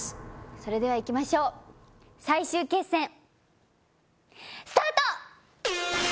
それではいきましょう最終決戦スタート！